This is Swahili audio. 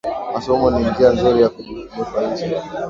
Masomo ni njia nzuri ya kujinufaisha